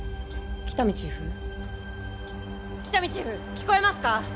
喜多見チーフ聞こえますか？